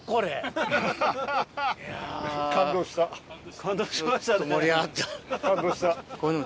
感動しましたね。